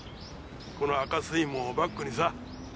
この赤水門をバックにさ。